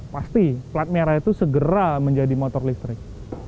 pasti plat merah itu segera menjadi motor listrik